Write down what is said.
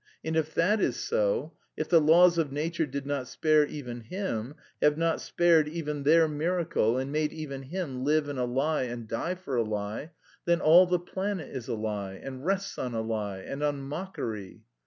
And if that is so, if the laws of nature did not spare even Him, have not spared even their miracle and made even Him live in a lie and die for a lie, then all the planet is a lie and rests on a lie and on mockery.